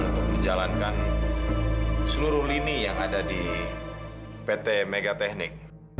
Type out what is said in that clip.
untuk menjalankan seluruh lini yang ada di pt megateknik